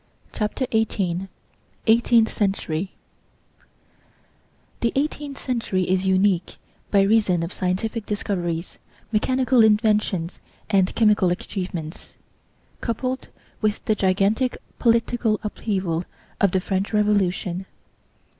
CHAPTER XVIII EIGHTEENTH CENTURY The eighteenth century is unique by reason of scientific discoveries, mechanical inventions and chemical achievements, coupled with the gigantic political upheaval of the French Revolution.